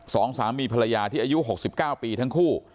สองสามีภรรยาที่อายุ๖๙ปีทั้งคู่